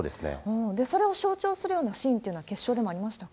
それを象徴するようなシーンっていうのは、決勝でもありましたか